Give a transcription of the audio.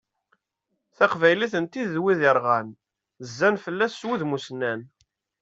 Taqbaylit n tid d wid irɣan, zzan fell-as s wudem usnan.